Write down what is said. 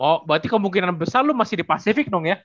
oh berarti kemungkinan besar lo masih di pasifik dong ya